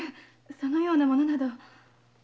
そのような者など。